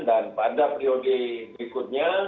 dan pada prioritas berikutnya